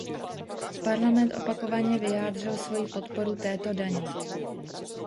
Parlament opakovaně vyjádřil svoji podporu této dani.